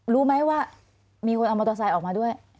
รู้ไหมว่ามีคนเอามอเตอร์ไซค์ออกมาด้วย